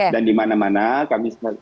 dan di mana mana kami